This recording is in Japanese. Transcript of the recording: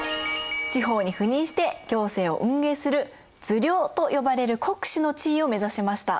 地方に赴任して行政を運営する受領と呼ばれる国司の地位を目指しました。